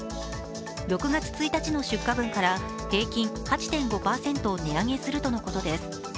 ６月１日の出荷分から平均８．５％値上げするとのことです